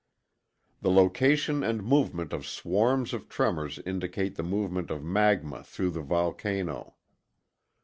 The location and movement of swarms of tremors indicate the movement of magma through the volcano.